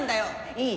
いい？